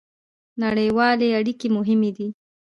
نړیوالې اړیکې مهمې دي